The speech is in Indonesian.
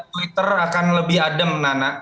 twitter akan lebih adem nana